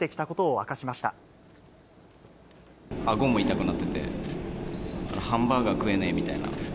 あごも痛くなってて、ハンバーガー食えないみたいな。